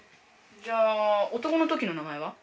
「じゃあ男のときの名前は？」。